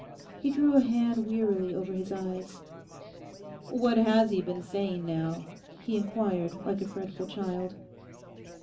He drew a hand wearily over his eyes. 'What has he been saying now?' he inquired like a fretful child.